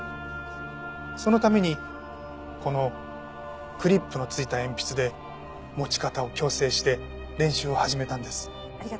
そのためにこのクリップの付いた鉛筆で持ち方を矯正して練習を始めたんです。